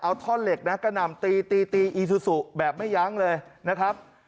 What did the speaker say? เอาท่อนเหล็กนะกระหน่ำตีตีตีอีซูซูแบบไม่ยั้งเลยนะครับ